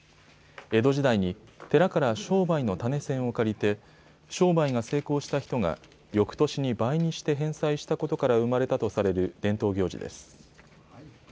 江戸時代に寺から商売の種銭を借りて商売が成功した人がよくとしに倍にして返済したことから生まれたとされる伝統行事です。